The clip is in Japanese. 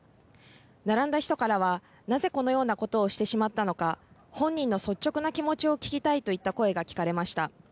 並んだ人からはなぜこのようなことをしてしまったのか、本人の率直な気持ちを聞きたいといった声が聞かれました。